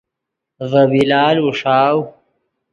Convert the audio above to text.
ڤے بلال اوݰاؤ